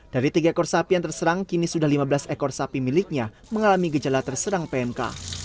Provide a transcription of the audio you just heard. dari tiga ekor sapi yang terserang kini sudah lima belas ekor sapi miliknya mengalami gejala terserang pmk